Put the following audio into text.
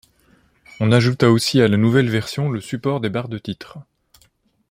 On ajouta aussi à la nouvelle version le support des barres de titres.